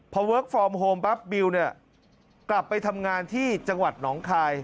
พอเวิร์คฟอร์มโฮมปั๊บบิวเนี่ยกลับไปทำงานที่จังหวัดหนองคาย